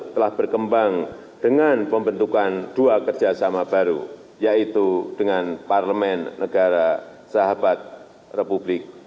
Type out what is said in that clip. telah berkembang dengan pembentukan dua kerjasama baru yaitu dengan parlemen negara sahabat republik